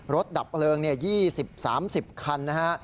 รถดับเปลือง๒๐๓๐คันนะฮะ